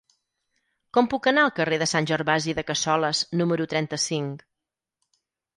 Com puc anar al carrer de Sant Gervasi de Cassoles número trenta-cinc?